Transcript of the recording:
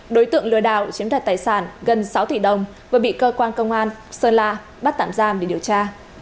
đối tượng lừa đảo chiếm đoạt tài sản gần sáu tỷ đồng vừa bị cơ quan công an sơn la bắt tạm giam để điều tra